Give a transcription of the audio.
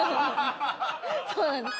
そうなんですね。